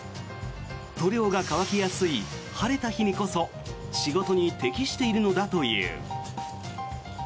塗料が乾きやすい晴れた日にこそ仕事に適しているのだという。